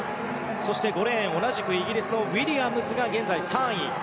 そして５レーン、同じくイギリスのウィリアムズが現在３位。